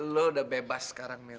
lo udah bebas sekarang mir